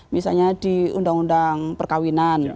misalnya di undang undang perkawinan